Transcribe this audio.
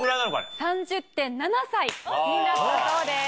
３０．７歳だったそうです。